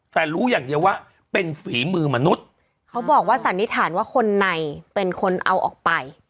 แต่รู้อย่างเดียวว่าเป็นฝีมือมนุษย์เขาบอกว่าสันนิษฐานว่าคนในเป็นคนเอาออกไป